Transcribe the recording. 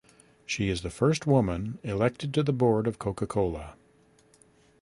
She is the first woman elected to the board of Coca-Cola.